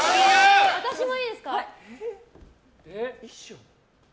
私もいいですか？